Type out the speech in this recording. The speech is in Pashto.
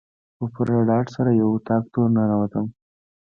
په پوره ډاډ سره یو اطاق ته ورننوتم.